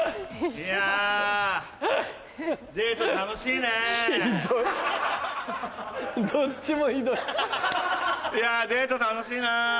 いやデート楽しいな。